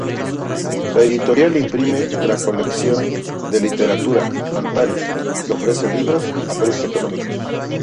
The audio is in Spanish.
La editorial imprime la colección de literatura "Antares", que ofrece libros a precios económicos.